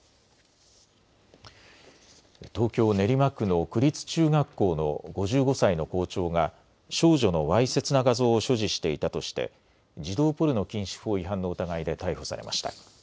東京練馬区の区立中学校の５５歳の校長が少女のわいせつな画像を所持していたとして児童ポルノ禁止法違反の疑いで逮捕されました。